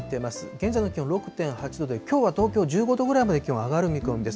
現在の気温６．８度で、きょうは東京１５度くらいまで気温が上がる見込みです。